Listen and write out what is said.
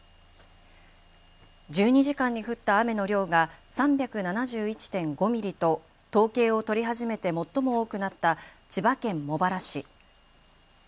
１２時間に降った雨の量が３７１．５ミリと統計を取り始めて最も多くなった千葉県茂原市。